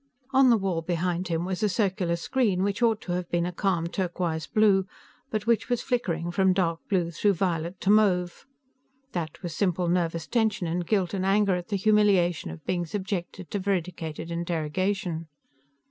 On the wall behind him was a circular screen which ought to have been a calm turquoise blue, but which was flickering from dark blue through violet to mauve. That was simple nervous tension and guilt and anger at the humiliation of being subjected to veridicated interrogation.